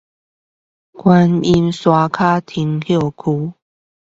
觀音山腳休息區